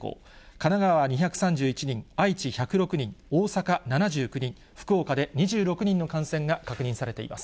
神奈川は２３１人、愛知１０６人、大阪７９人、福岡で２６人の感染が確認されています。